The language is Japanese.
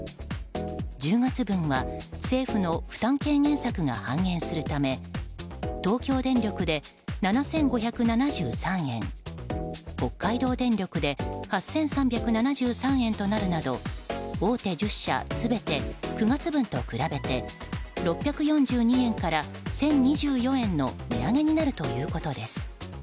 １０月分は政府の負担軽減策が半減するため東京電力で７５７３円北海道電力で８３７３円となるなど大手１０社全て、９月分と比べて６４２円から１０２４円の値上げになるということです。